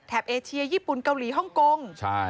เอเชียญี่ปุ่นเกาหลีฮ่องกง